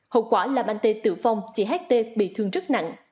hậu quả làm anh t tử vong chị ht bị thương rất nặng